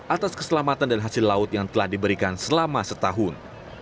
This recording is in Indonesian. atas keselamatan dan hasil laut yang telah diberikan selama setahun